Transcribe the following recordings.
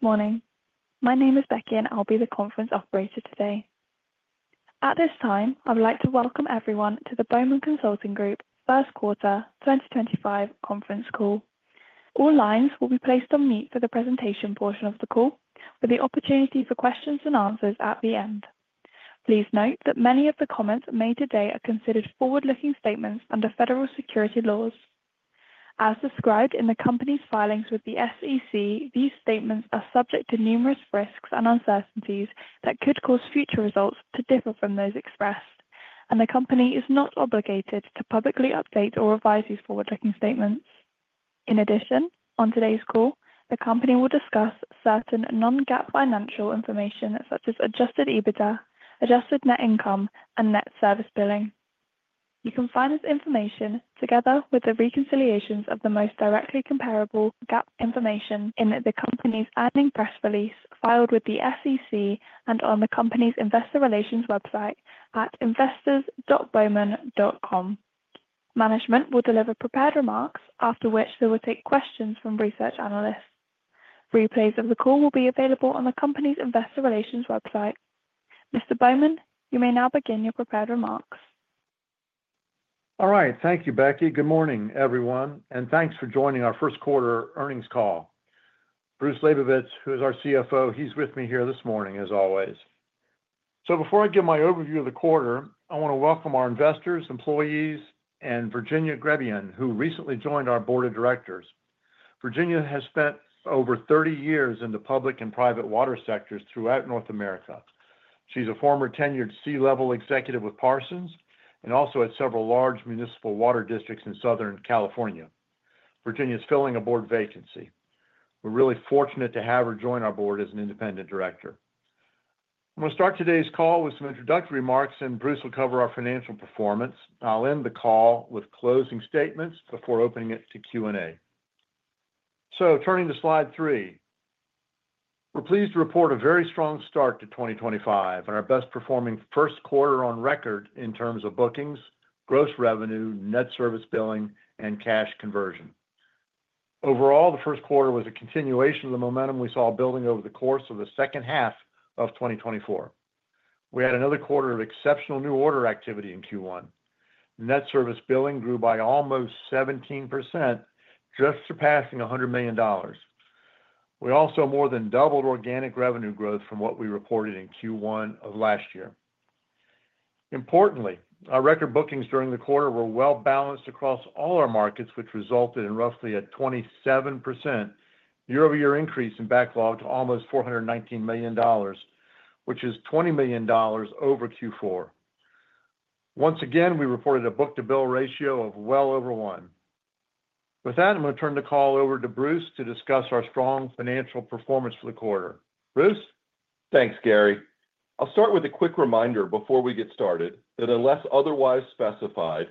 Good morning. My name is Becky and I'll be the conference operator today. At this time, I would like to welcome everyone to the Bowman Consulting Group First Quarter 2025 Conference Call. All lines will be placed on mute for the presentation portion of the call, with the opportunity for questions and answers at the end. Please note that many of the comments made today are considered forward-looking statements under federal security laws. As described in the company's filings with the SEC, these statements are subject to numerous risks and uncertainties that could cause future results to differ from those expressed, and the company is not obligated to publicly update or revise these forward-looking statements. In addition, on today's call, the company will discuss certain non-GAAP financial information such as adjusted EBITDA, adjusted net income, and net service billing. You can find this information together with the reconciliations of the most directly comparable GAAP information in the company's earnings press release filed with the SEC and on the company's investor relations website at investors.bowman.com. Management will deliver prepared remarks, after which they will take questions from research analysts. Replays of the call will be available on the company's investor relations website. Mr. Bowman, you may now begin your prepared remarks. All right. Thank you, Becky. Good morning, everyone, and thanks for joining our first quarter earnings call. Bruce Labovitz, who is our CFO, he's with me here this morning as always. Before I give my overview of the quarter, I want to welcome our investors, employees, and Virginia Grebbien, who recently joined our board of directors. Virginia has spent over 30 years in the public and private water sectors throughout North America. She's a former tenured C-level executive with Parsons and also at several large municipal water districts in Southern California. Virginia's filling a board vacancy. We're really fortunate to have her join our board as an independent director. I'm going to start today's call with some introductory remarks, and Bruce will cover our financial performance. I'll end the call with closing statements before opening it to Q&A. Turning to slide three, we're pleased to report a very strong start to 2025 and our best-performing first quarter on record in terms of bookings, gross revenue, net service billing, and cash conversion. Overall, the first quarter was a continuation of the momentum we saw building over the course of the second half of 2024. We had another quarter of exceptional new order activity in Q1. Net service billing grew by almost 17%, just surpassing $100 million. We also more than doubled organic revenue growth from what we reported in Q1 of last year. Importantly, our record bookings during the quarter were well-balanced across all our markets, which resulted in roughly a 27% year-over-year increase in backlog to almost $419 million, which is $20 million over Q4. Once again, we reported a book-to-bill ratio of well over one. With that, I'm going to turn the call over to Bruce to discuss our strong financial performance for the quarter. Bruce? Thanks, Gary. I'll start with a quick reminder before we get started that unless otherwise specified,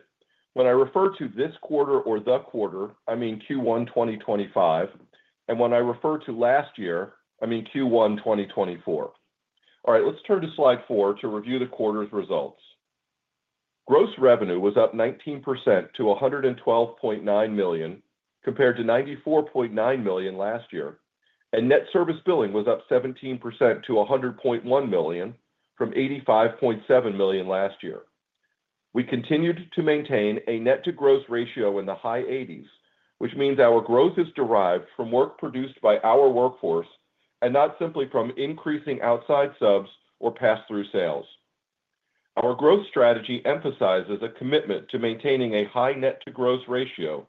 when I refer to this quarter or the quarter, I mean Q1 2025, and when I refer to last year, I mean Q1 2024. All right, let's turn to slide four to review the quarter's results. Gross revenue was up 19% to $112.9 million compared to $94.9 million last year, and net service billing was up 17% to $100.1 million from $85.7 million last year. We continued to maintain a net-to-gross ratio in the high 80s, which means our growth is derived from work produced by our workforce and not simply from increasing outside subs or pass-through sales. Our growth strategy emphasizes a commitment to maintaining a high net-to-gross ratio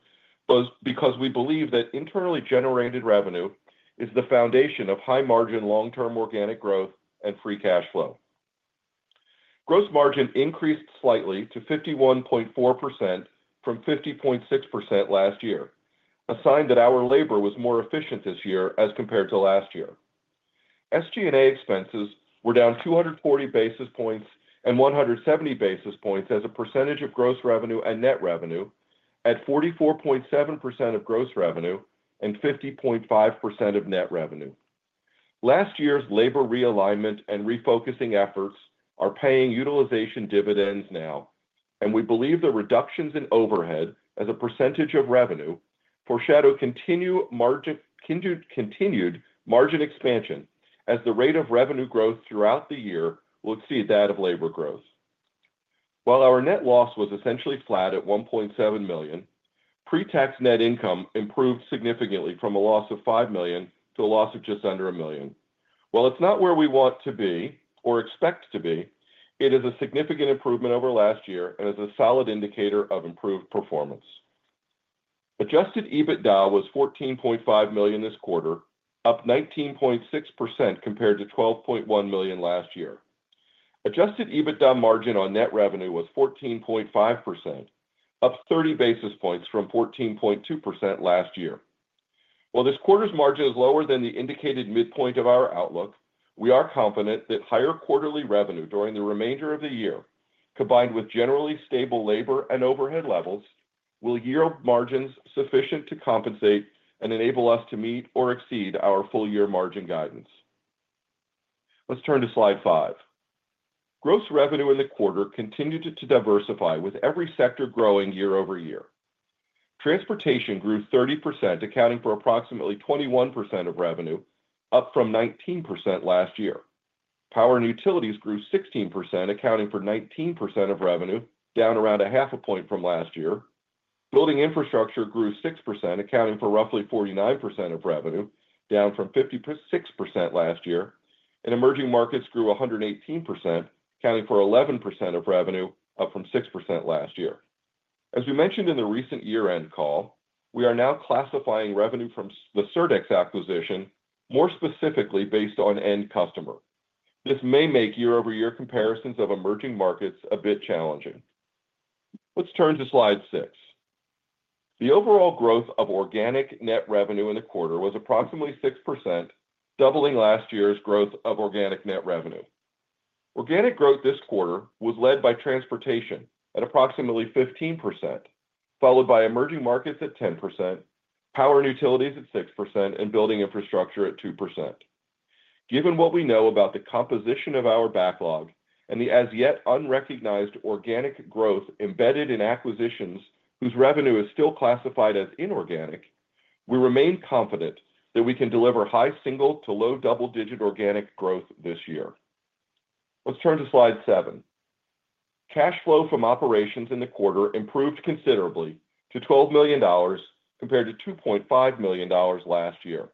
because we believe that internally generated revenue is the foundation of high-margin, long-term organic growth and free cash flow. Gross margin increased slightly to 51.4% from 50.6% last year, a sign that our labor was more efficient this year as compared to last year. SG&A expenses were down 240 basis points and 170 basis points as a percentage of gross revenue and net revenue at 44.7% of gross revenue and 50.5% of net revenue. Last year's labor realignment and refocusing efforts are paying utilization dividends now, and we believe the reductions in overhead as a percentage of revenue foreshadow continued margin expansion as the rate of revenue growth throughout the year will exceed that of labor growth. While our net loss was essentially flat at $1.7 million, pre-tax net income improved significantly from a loss of $5 million to a loss of just under $1 million. While it's not where we want to be or expect to be, it is a significant improvement over last year and is a solid indicator of improved performance. Adjusted EBITDA was $14.5 million this quarter, up 19.6% compared to $12.1 million last year. Adjusted EBITDA margin on net revenue was 14.5%, up 30 basis points from 14.2% last year. While this quarter's margin is lower than the indicated midpoint of our outlook, we are confident that higher quarterly revenue during the remainder of the year, combined with generally stable labor and overhead levels, will yield margins sufficient to compensate and enable us to meet or exceed our full-year margin guidance. Let's turn to slide five. Gross revenue in the quarter continued to diversify with every sector growing year-over-year. Transportation grew 30%, accounting for approximately 21% of revenue, up from 19% last year. Power and utilities grew 16%, accounting for 19% of revenue, down around half a point from last year. Building infrastructure grew 6%, accounting for roughly 49% of revenue, down from 56% last year. Emerging markets grew 118%, accounting for 11% of revenue, up from 6% last year. As we mentioned in the recent year-end call, we are now classifying revenue from the Surdex acquisition more specifically based on end customer. This may make year-over-year comparisons of emerging markets a bit challenging. Let's turn to slide six. The overall growth of organic net revenue in the quarter was approximately 6%, doubling last year's growth of organic net revenue. Organic growth this quarter was led by transportation at approximately 15%, followed by emerging markets at 10%, power and utilities at 6%, and building infrastructure at 2%. Given what we know about the composition of our backlog and the as-yet unrecognized organic growth embedded in acquisitions whose revenue is still classified as inorganic, we remain confident that we can deliver high single- to low double-digit organic growth this year. Let's turn to slide seven. Cash flow from operations in the quarter improved considerably to $12 million compared to $2.5 million last year.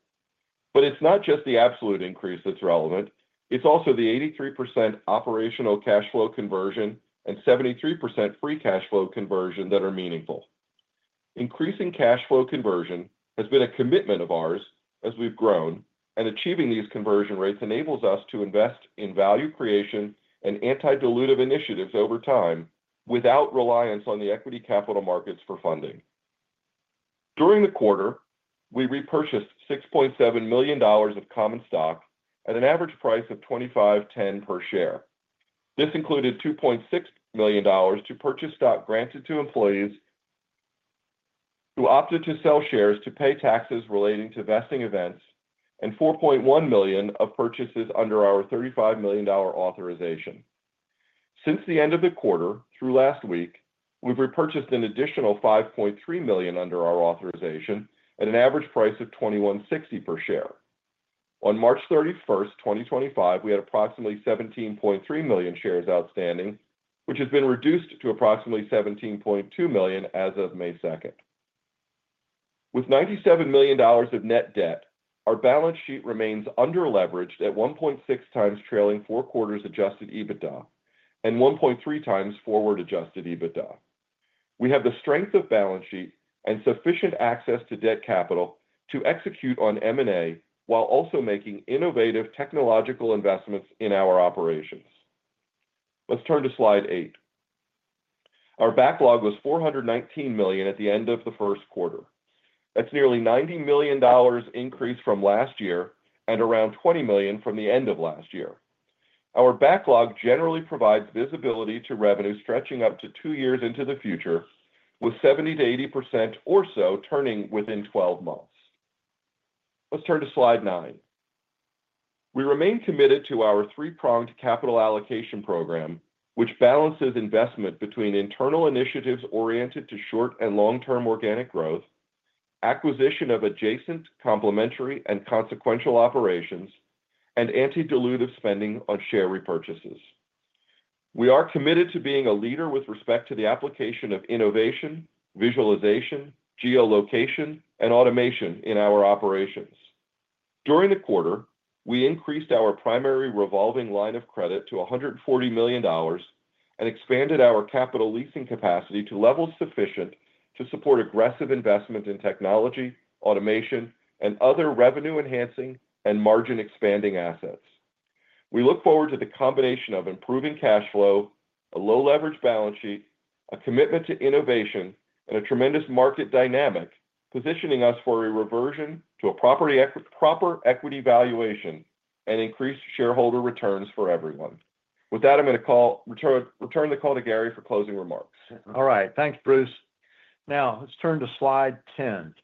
It's not just the absolute increase that's relevant. It's also the 83% operational cash flow conversion and 73% free cash flow conversion that are meaningful. Increasing cash flow conversion has been a commitment of ours as we've grown, and achieving these conversion rates enables us to invest in value creation and anti-dilutive initiatives over time without reliance on the equity capital markets for funding. During the quarter, we repurchased $6.7 million of common stock at an average price of $25.10 per share. This included $2.6 million to purchase stock granted to employees who opted to sell shares to pay taxes relating to vesting events and $4.1 million of purchases under our $35 million authorization. Since the end of the quarter through last week, we've repurchased an additional $5.3 million under our authorization at an average price of $21.60 per share. On March 31st, 2025, we had approximately 17.3 million shares outstanding, which has been reduced to approximately 17.2 million as of May 2nd. With $97 million of net debt, our balance sheet remains underleveraged at 1.6x trailing four quarters adjusted EBITDA and 1.3x forward-adjusted EBITDA. We have the strength of balance sheet and sufficient access to debt capital to execute on M&A while also making innovative technological investments in our operations. Let's turn to slide eight. Our backlog was $419 million at the end of the first quarter. That's nearly $90 million increase from last year and around $20 million from the end of last year. Our backlog generally provides visibility to revenue stretching up to two years into the future, with 70%-80% or so turning within 12 months. Let's turn to slide nine. We remain committed to our three-pronged capital allocation program, which balances investment between internal initiatives oriented to short and long-term organic growth, acquisition of adjacent, complementary, and consequential operations, and anti-dilutive spending on share repurchases. We are committed to being a leader with respect to the application of innovation, visualization, geolocation, and automation in our operations. During the quarter, we increased our primary revolving line of credit to $140 million and expanded our capital leasing capacity to levels sufficient to support aggressive investment in technology, automation, and other revenue-enhancing and margin-expanding assets. We look forward to the combination of improving cash flow, a low-leverage balance sheet, a commitment to innovation, and a tremendous market dynamic positioning us for a reversion to a proper equity valuation and increased shareholder returns for everyone. With that, I'm going to return the call to Gary for closing remarks. All right. Thanks, Bruce. Now, let's turn to slide ten.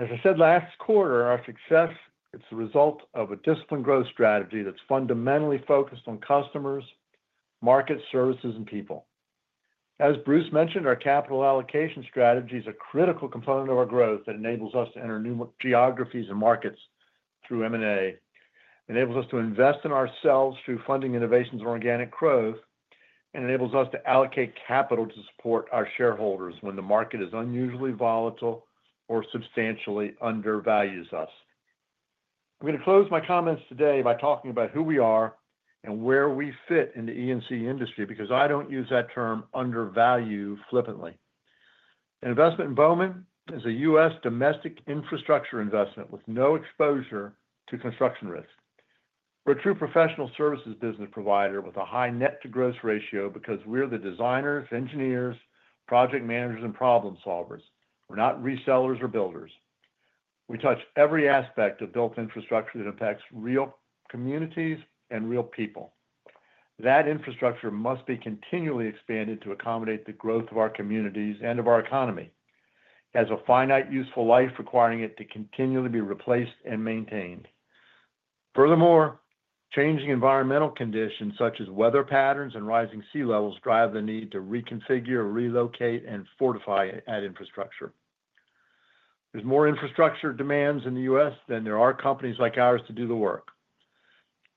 As I said, last quarter, our success, it's the result of a disciplined growth strategy that's fundamentally focused on customers, markets, services, and people. As Bruce mentioned, our capital allocation strategy is a critical component of our growth that enables us to enter new geographies and markets through M&A, enables us to invest in ourselves through funding innovations and organic growth, and enables us to allocate capital to support our shareholders when the market is unusually volatile or substantially undervalues us. I'm going to close my comments today by talking about who we are and where we fit in the E&C industry because I don't use that term undervalue flippantly. Investment in Bowman is a U.S. domestic infrastructure investment with no exposure to construction risk. We're a true professional services business provider with a high net-to-growth ratio because we're the designers, engineers, project managers, and problem solvers. We're not resellers or builders. We touch every aspect of built infrastructure that impacts real communities and real people. That infrastructure must be continually expanded to accommodate the growth of our communities and of our economy as a finite useful life requiring it to continually be replaced and maintained. Furthermore, changing environmental conditions such as weather patterns and rising sea levels drive the need to reconfigure, relocate, and fortify that infrastructure. There's more infrastructure demands in the U.S. than there are companies like ours to do the work.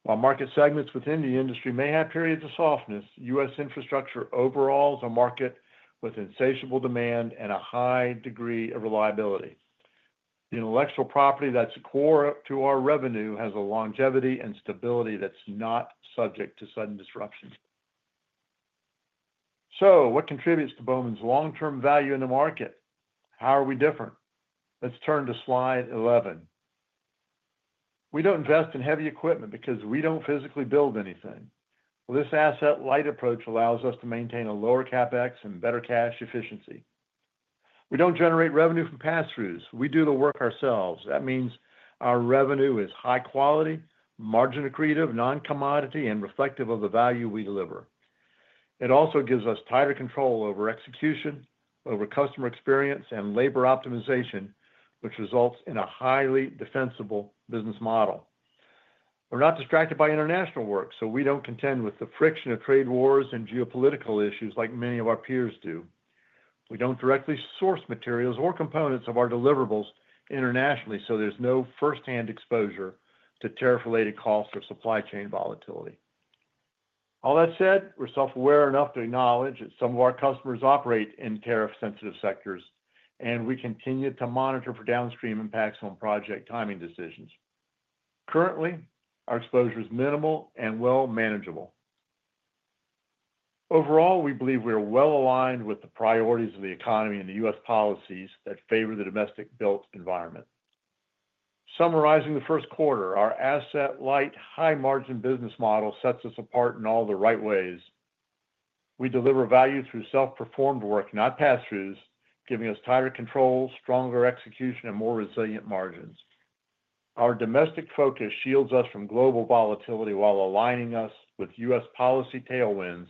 While market segments within the industry may have periods of softness, U.S. infrastructure overall is a market with insatiable demand and a high degree of reliability. The intellectual property that's core to our revenue has a longevity and stability that's not subject to sudden disruption. What contributes to Bowman's long-term value in the market? How are we different? Let's turn to slide 11. We don't invest in heavy equipment because we don't physically build anything. This asset-light approach allows us to maintain a lower CapEx and better cash efficiency. We don't generate revenue from pass-throughs. We do the work ourselves. That means our revenue is high quality, margin accretive, non-commodity, and reflective of the value we deliver. It also gives us tighter control over execution, over customer experience, and labor optimization, which results in a highly defensible business model. We're not distracted by international work, so we don't contend with the friction of trade wars and geopolitical issues like many of our peers do. We don't directly source materials or components of our deliverables internationally, so there's no firsthand exposure to tariff-related costs or supply chain volatility. All that said, we're self-aware enough to acknowledge that some of our customers operate in tariff-sensitive sectors, and we continue to monitor for downstream impacts on project timing decisions. Currently, our exposure is minimal and well manageable. Overall, we believe we are well aligned with the priorities of the economy and the U.S. policies that favor the domestic built environment. Summarizing the first quarter, our asset-light, high-margin business model sets us apart in all the right ways. We deliver value through self-performed work, not pass-throughs, giving us tighter control, stronger execution, and more resilient margins. Our domestic focus shields us from global volatility while aligning us with U.S. policy tailwinds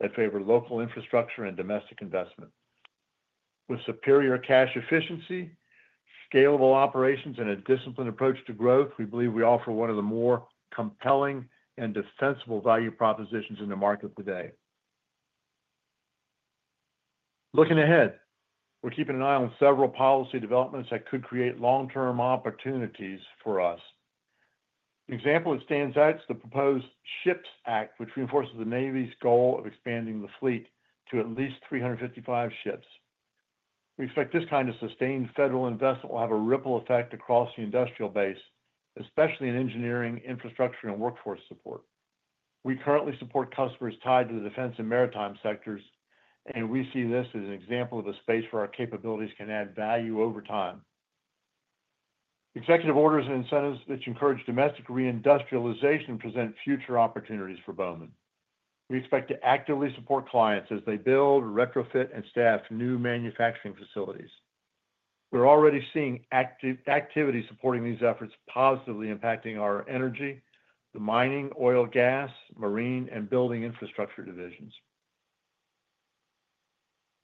that favor local infrastructure and domestic investment. With superior cash efficiency, scalable operations, and a disciplined approach to growth, we believe we offer one of the more compelling and defensible value propositions in the market today. Looking ahead, we're keeping an eye on several policy developments that could create long-term opportunities for us. An example that stands out is the proposed Ships Act, which reinforces the Navy's goal of expanding the fleet to at least 355 ships. We expect this kind of sustained federal investment will have a ripple effect across the industrial base, especially in engineering, infrastructure, and workforce support. We currently support customers tied to the defense and maritime sectors, and we see this as an example of a space where our capabilities can add value over time. Executive orders and incentives that encourage domestic reindustrialization present future opportunities for Bowman. We expect to actively support clients as they build, retrofit, and staff new manufacturing facilities. We're already seeing activity supporting these efforts positively impacting our energy, the mining, oil, gas, marine, and building infrastructure divisions.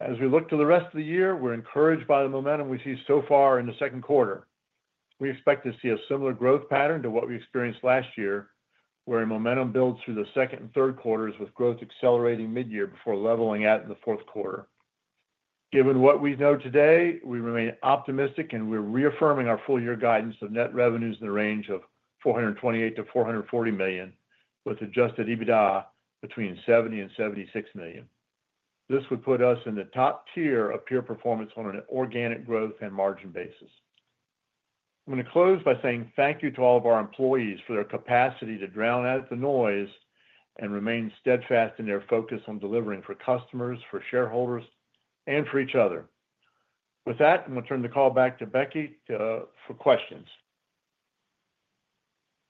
As we look to the rest of the year, we're encouraged by the momentum we see so far in the second quarter. We expect to see a similar growth pattern to what we experienced last year, where momentum builds through the second and third quarters with growth accelerating mid-year before leveling out in the fourth quarter. Given what we know today, we remain optimistic, and we're reaffirming our full-year guidance of net revenues in the range of $428 million-$440 million, with adjusted EBITDA between $70 million and $76 million. This would put us in the top tier of peer performance on an organic growth and margin basis. I'm going to close by saying thank you to all of our employees for their capacity to drown out the noise and remain steadfast in their focus on delivering for customers, for shareholders, and for each other. With that, I'm going to turn the call back to Becky for questions.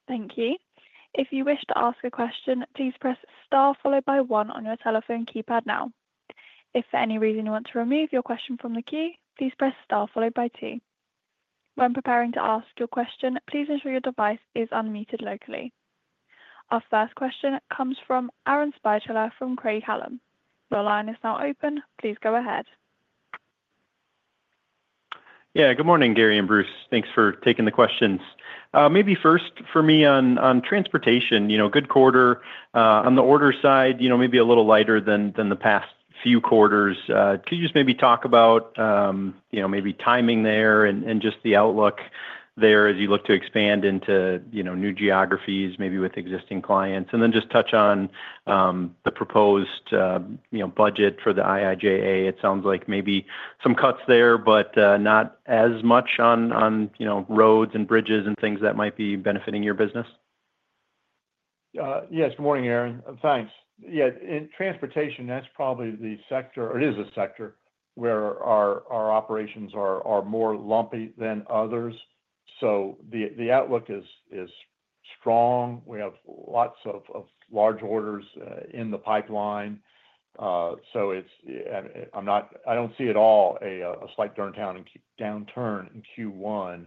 Thank you. If you wish to ask a question, please press star followed by one on your telephone keypad now. If for any reason you want to remove your question from the queue, please press star followed by two. When preparing to ask your question, please ensure your device is unmuted locally. Our first question comes from Aaron Spychalla from Craig-Hallum. Your line is now open. Please go ahead. Yeah. Good morning, Gary and Bruce. Thanks for taking the questions. Maybe first for me on transportation, good quarter. On the order side, maybe a little lighter than the past few quarters. Could you just maybe talk about maybe timing there and just the outlook there as you look to expand into new geographies, maybe with existing clients? Then just touch on the proposed budget for the IIJA. It sounds like maybe some cuts there, but not as much on roads and bridges and things that might be benefiting your business. Yes. Good morning, Aaron. Thanks. Yeah. In transportation, that's probably the sector, or it is a sector where our operations are more lumpy than others. The outlook is strong. We have lots of large orders in the pipeline. I do not see at all a slight downturn in Q1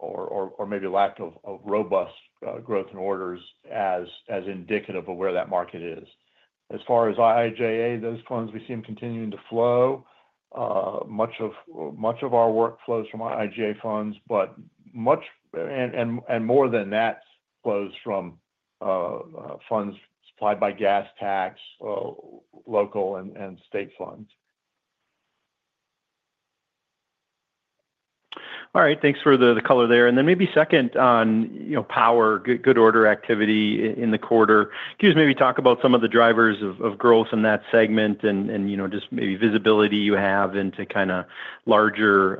or maybe lack of robust growth in orders as indicative of where that market is. As far as IIJA, those funds, we see them continuing to flow. Much of our work flows from IIJA funds, but much and more than that flows from funds supplied by gas tax, local and state funds. All right. Thanks for the color there. Maybe second on power, good order activity in the quarter. Could you just maybe talk about some of the drivers of growth in that segment and just maybe visibility you have into kind of larger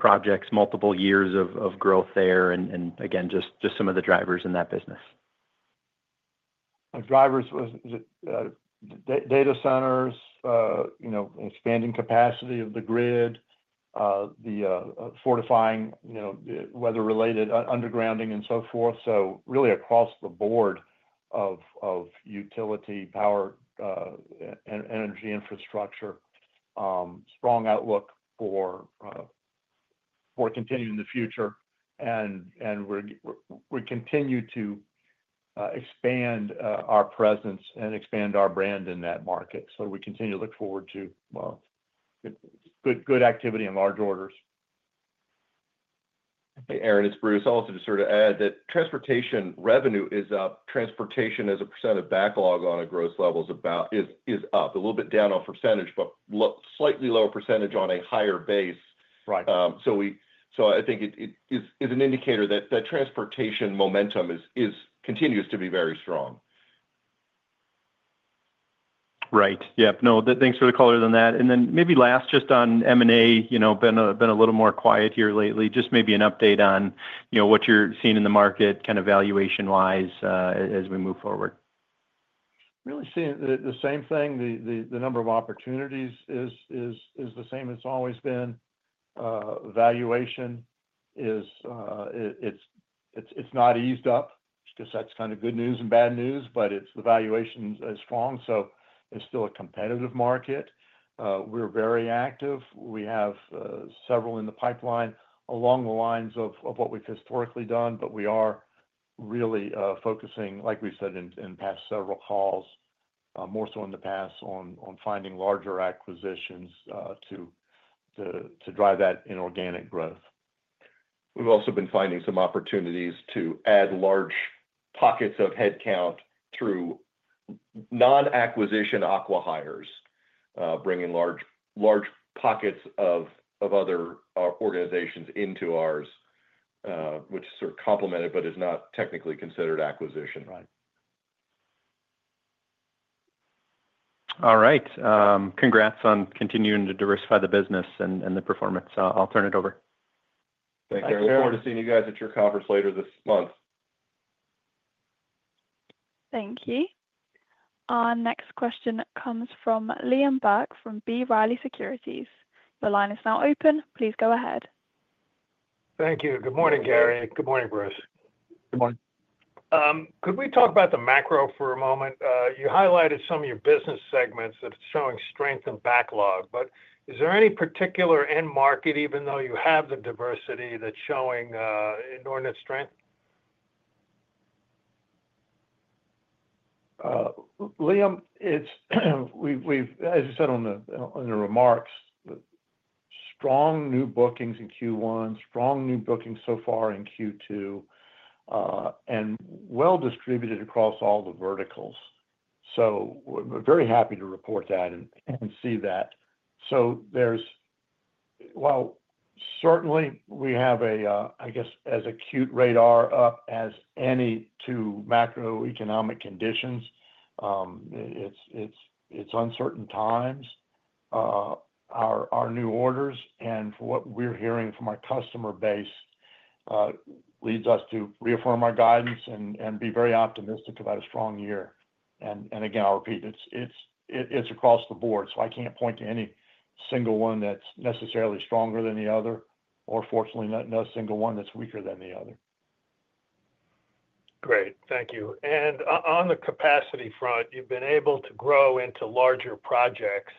projects, multiple years of growth there, and again, just some of the drivers in that business? Drivers was data centers, expanding capacity of the grid, the fortifying, weather-related undergrounding, and so forth. Really across the board of utility, power, energy infrastructure, strong outlook for continuing in the future. We continue to expand our presence and expand our brand in that market. We continue to look forward to good activity in large orders. Hey, Aaron, it's Bruce. Also just sort of add that transportation revenue is up. Transportation as a percent of backlog on a gross level is up. A little bit down on percentage, but slightly lower percentage on a higher base. I think it is an indicator that transportation momentum continues to be very strong. Right. Yep. No, thanks for the color on that. Maybe last just on M&A, been a little more quiet here lately. Just maybe an update on what you're seeing in the market, kind of valuation-wise as we move forward. Really seeing the same thing. The number of opportunities is the same as it's always been. Valuation, it's not eased up. I guess that's kind of good news and bad news, but the valuation is strong. It is still a competitive market. We're very active. We have several in the pipeline along the lines of what we've historically done, but we are really focusing, like we've said in past several calls, more so in the past on finding larger acquisitions to drive that inorganic growth. We've also been finding some opportunities to add large pockets of headcount through non-acquisition acqui-hires, bringing large pockets of other organizations into ours, which is sort of complemented, but is not technically considered acquisition. Right. All right. Congrats on continuing to diversify the business and the performance. I'll turn it over. Thank you, Aaron. Look forward to seeing you guys at your conference later this month. Thank you. Our next question comes from Liam Burke from B. Riley Securities. The line is now open. Please go ahead. Thank you. Good morning, Gary. Good morning, Bruce. Good morning. Could we talk about the macro for a moment? You highlighted some of your business segments that are showing strength and backlog, but is there any particular end market, even though you have the diversity, that's showing inordinate strength? Liam, as you said on the remarks, strong new bookings in Q1, strong new bookings so far in Q2, and well distributed across all the verticals. We are very happy to report that and see that. While certainly we have, I guess, as acute radar up as any to macroeconomic conditions, it is uncertain times. Our new orders and what we are hearing from our customer base leads us to reaffirm our guidance and be very optimistic about a strong year. Again, I will repeat, it is across the board. I cannot point to any single one that is necessarily stronger than the other, or fortunately, no single one that is weaker than the other. Great. Thank you. On the capacity front, you've been able to grow into larger projects.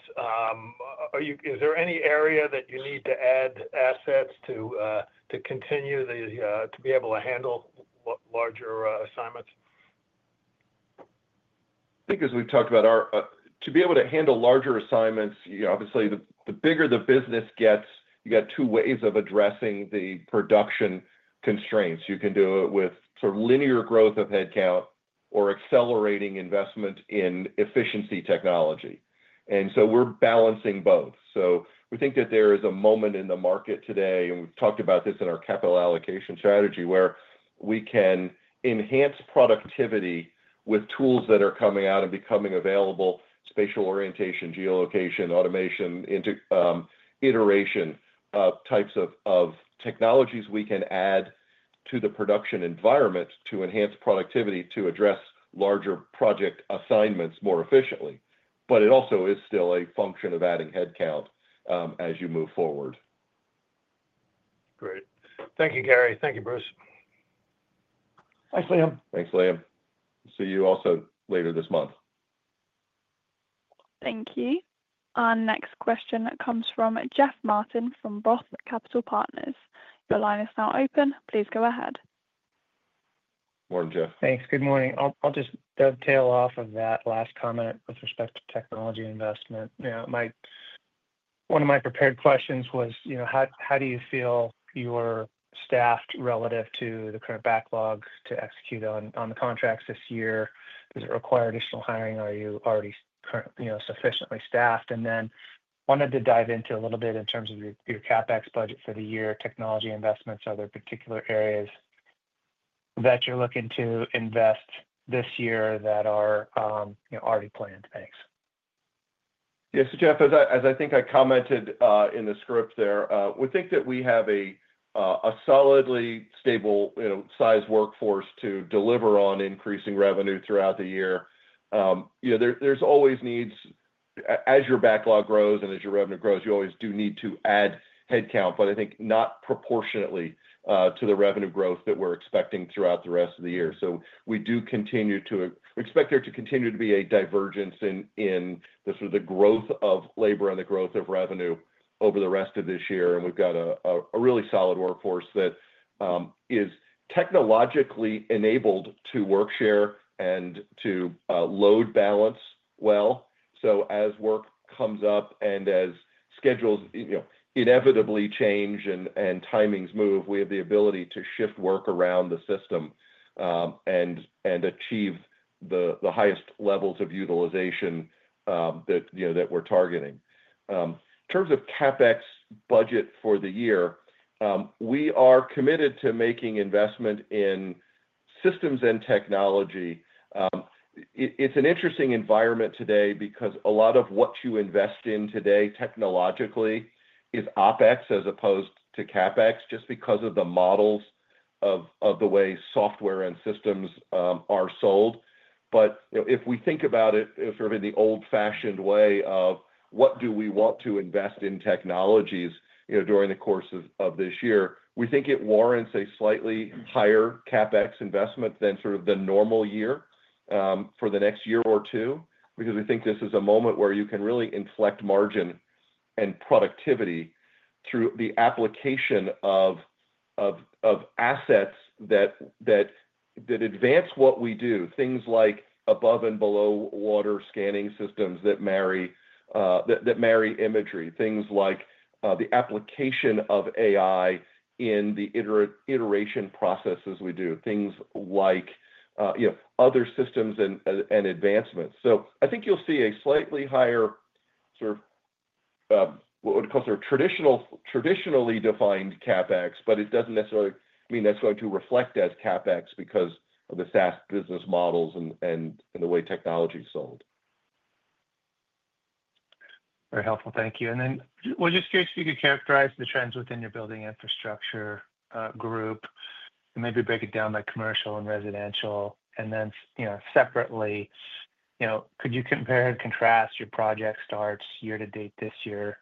Is there any area that you need to add assets to continue to be able to handle larger assignments? I think as we've talked about, to be able to handle larger assignments, obviously, the bigger the business gets, you got two ways of addressing the production constraints. You can do it with sort of linear growth of headcount or accelerating investment in efficiency technology. We're balancing both. We think that there is a moment in the market today, and we've talked about this in our capital allocation strategy, where we can enhance productivity with tools that are coming out and becoming available: spatial orientation, geolocation, automation, iteration types of technologies we can add to the production environment to enhance productivity to address larger project assignments more efficiently. It also is still a function of adding headcount as you move forward. Great. Thank you, Gary. Thank you, Bruce. Thanks, Liam. Thanks, Liam. See you also later this month. Thank you. Our next question comes from Jeff Martin from ROTH Capital Partners. Your line is now open. Please go ahead. Morning, Jeff. Thanks. Good morning. I'll just dovetail off of that last comment with respect to technology investment. One of my prepared questions was, how do you feel you're staffed relative to the current backlog to execute on the contracts this year? Does it require additional hiring? Are you already sufficiently staffed? I wanted to dive into a little bit in terms of your CapEx budget for the year, technology investments, are there particular areas that you're looking to invest this year that are already planned? Thanks. Yes. Jeff, as I think I commented in the script there, we think that we have a solidly stable-sized workforce to deliver on increasing revenue throughout the year. There are always needs as your backlog grows and as your revenue grows, you always do need to add headcount, but I think not proportionately to the revenue growth that we are expecting throughout the rest of the year. We do continue to expect there to continue to be a divergence in the growth of labor and the growth of revenue over the rest of this year. We have got a really solid workforce that is technologically enabled to work share and to load balance well. As work comes up and as schedules inevitably change and timings move, we have the ability to shift work around the system and achieve the highest levels of utilization that we are targeting. In terms of CapEx budget for the year, we are committed to making investment in systems and technology. It's an interesting environment today because a lot of what you invest in today technologically is OpEx as opposed to CapEx just because of the models of the way software and systems are sold. If we think about it sort of in the old-fashioned way of what do we want to invest in technologies during the course of this year, we think it warrants a slightly higher CapEx investment than sort of the normal year for the next year or two because we think this is a moment where you can really inflect margin and productivity through the application of assets that advance what we do, things like above and below water scanning systems that marry imagery, things like the application of AI in the iteration processes we do, things like other systems and advancements. I think you'll see a slightly higher sort of what we'd call sort of traditionally defined CapEx, but it doesn't necessarily mean that's going to reflect as CapEx because of the SaaS business models and the way technology is sold. Very helpful. Thank you. I was just curious if you could characterize the trends within your building infrastructure group and maybe break it down by commercial and residential. Separately, could you compare and contrast your project starts year to date this year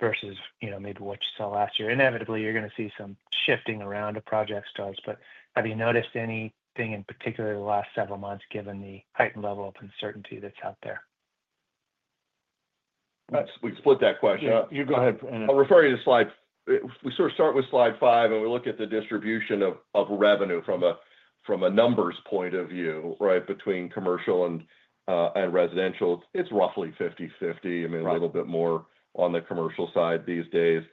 versus maybe what you saw last year? Inevitably, you're going to see some shifting around the project starts, but have you noticed anything in particular the last several months given the heightened level of uncertainty that's out there? We split that question. You go ahead. I'll refer you to slide. We sort of start with slide five, and we look at the distribution of revenue from a numbers point of view, right, between commercial and residential. It's roughly 50/50. I mean, a little bit more on the commercial side these days.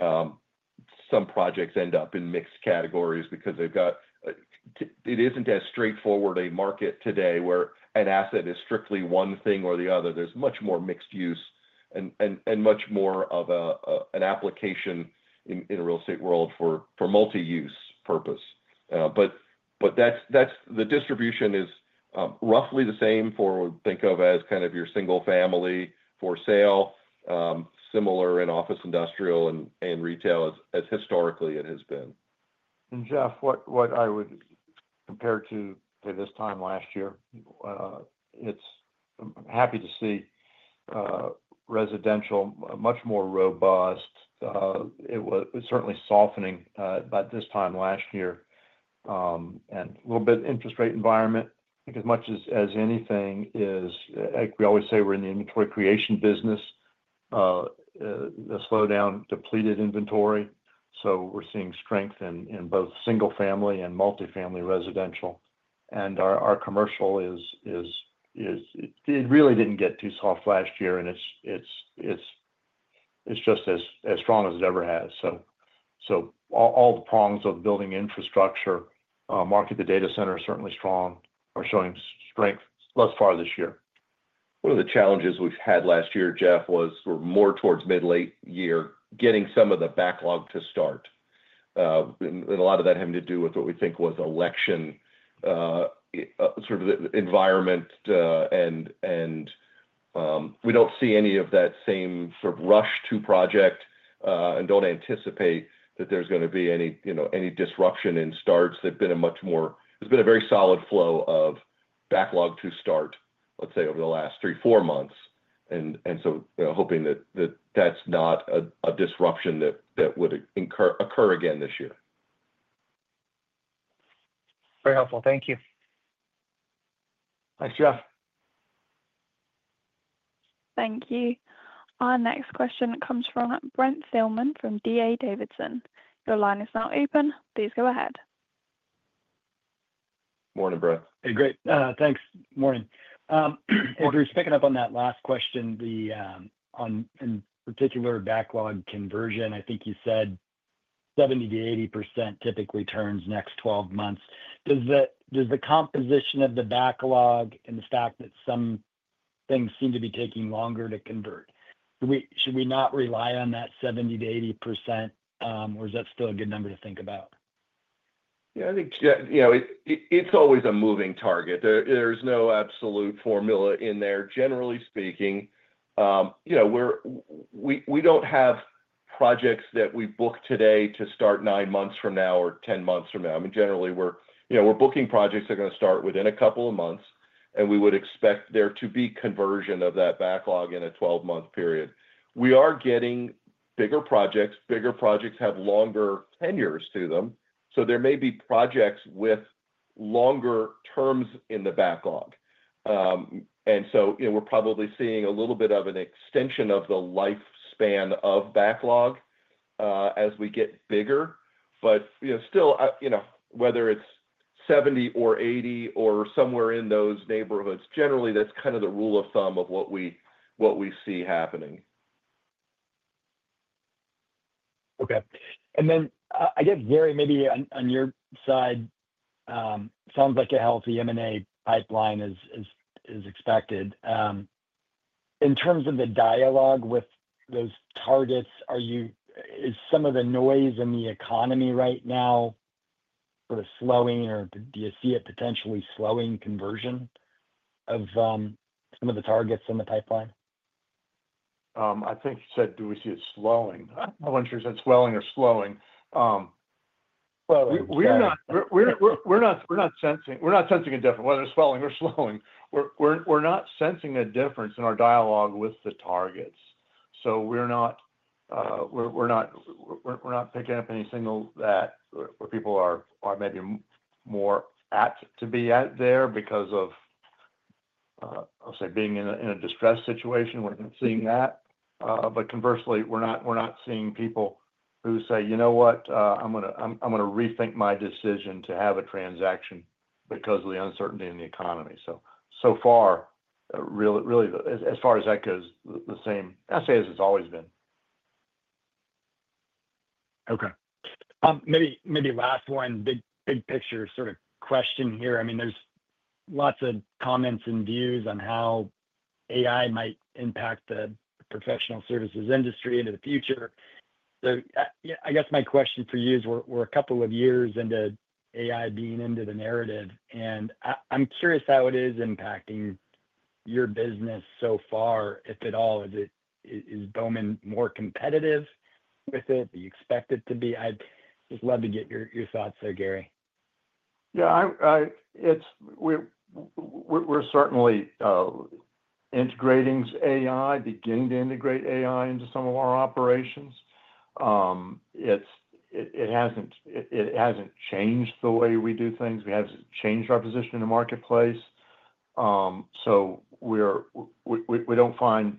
Some projects end up in mixed categories because they've got it isn't as straightforward a market today where an asset is strictly one thing or the other. There's much more mixed use and much more of an application in the real estate world for multi-use purpose. But the distribution is roughly the same for what we think of as kind of your single family for sale, similar in office industrial and retail as historically it has been. Jeff, what I would compare to this time last year, it's happy to see residential much more robust. It was certainly softening by this time last year. And a little bit interest rate environment, I think as much as anything is, like we always say, we're in the inventory creation business, a slowdown, depleted inventory. We're seeing strength in both single family and multi-family residential. Our commercial, it really did not get too soft last year, and it's just as strong as it ever has. All the prongs of building infrastructure, market, the data center is certainly strong, are showing strength thus far this year. One of the challenges we've had last year, Jeff, was we're more towards mid-late year getting some of the backlog to start. A lot of that having to do with what we think was election sort of environment. We don't see any of that same sort of rush to project and don't anticipate that there's going to be any disruption in starts. There's been a very solid flow of backlog to start, let's say, over the last three, four months. Hoping that that's not a disruption that would occur again this year. Very helpful. Thank you. Thanks, Jeff. Thank you. Our next question comes from Brent Thielman from D.A. Davidson. Your line is now open. Please go ahead. Morning, Brent. Hey, great. Thanks. Morning. Bruce, picking up on that last question on in particular backlog conversion, I think you said 70-80% typically turns next 12 months. Does the composition of the backlog and the fact that some things seem to be taking longer to convert, should we not rely on that 70-80%, or is that still a good number to think about? Yeah. I think it's always a moving target. There's no absolute formula in there. Generally speaking, we don't have projects that we book today to start nine months from now or ten months from now. I mean, generally, we're booking projects that are going to start within a couple of months, and we would expect there to be conversion of that backlog in a 12-month period. We are getting bigger projects. Bigger projects have longer tenures to them. There may be projects with longer terms in the backlog. We're probably seeing a little bit of an extension of the lifespan of backlog as we get bigger. Still, whether it's 70 or 80 or somewhere in those neighborhoods, generally, that's kind of the rule of thumb of what we see happening. Okay. I guess, Gary, maybe on your side, sounds like a healthy M&A pipeline is expected. In terms of the dialogue with those targets, is some of the noise in the economy right now sort of slowing, or do you see it potentially slowing conversion of some of the targets in the pipeline? I think you said, do we see it slowing? I'm not sure if it's slowing or slowing. We're not sensing a difference. Whether it's slowing or slowing, we're not sensing a difference in our dialogue with the targets. We're not picking up any signal that where people are maybe more apt to be at there because of, I'll say, being in a distressed situation. We're not seeing that. Conversely, we're not seeing people who say, "You know what? I'm going to rethink my decision to have a transaction because of the uncertainty in the economy." So far, really, as far as that goes, the same essay as it's always been. Okay. Maybe last one, big picture sort of question here. I mean, there's lots of comments and views on how AI might impact the professional services industry into the future. I guess my question for you is we're a couple of years into AI being into the narrative. I'm curious how it is impacting your business so far, if at all. Is Bowman more competitive with it? Do you expect it to be? I'd just love to get your thoughts there, Gary. Yeah. We're certainly integrating AI, beginning to integrate AI into some of our operations. It hasn't changed the way we do things. We haven't changed our position in the marketplace. We don't find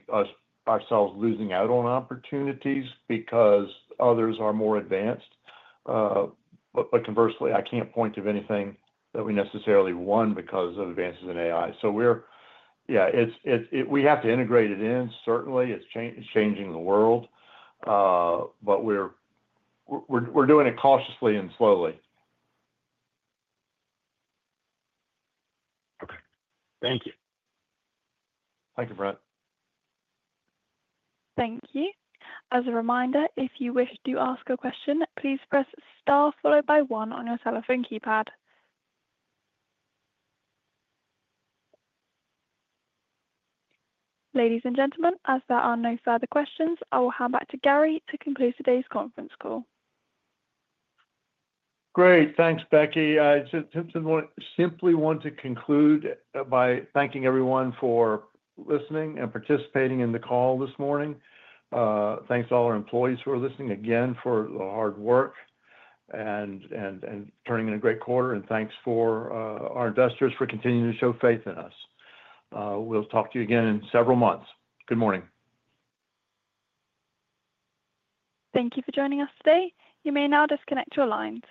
ourselves losing out on opportunities because others are more advanced. Conversely, I can't point to anything that we necessarily won because of advances in AI. Yeah, we have to integrate it in. Certainly, it's changing the world, but we're doing it cautiously and slowly. Okay. Thank you. Thank you, Brent. Thank you. As a reminder, if you wish to ask a question, please press star followed by one on your telephone keypad. Ladies and gentlemen, as there are no further questions, I will hand back to Gary to conclude today's conference call. Great. Thanks, Becky. I simply want to conclude by thanking everyone for listening and participating in the call this morning. Thanks to all our employees for listening again for the hard work and turning in a great quarter. And thanks for our investors for continuing to show faith in us. We'll talk to you again in several months. Good morning. Thank you for joining us today. You may now disconnect your lines.